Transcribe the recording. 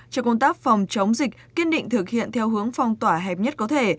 cho công tác phòng chống dịch kiên định thực hiện theo hướng phong tỏa hẹp nhất có thể